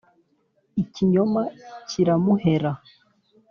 ikinyoma kiramuhera